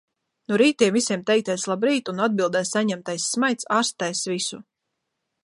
No rītiem visiem teiktais "labrīt" un atbildē saņemtais smaids ārstēs visu.